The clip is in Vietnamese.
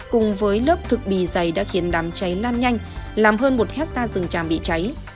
cùng với lớp thực bì dày đã khiến đám cháy lan nhanh làm hơn một hectare rừng tràm bị cháy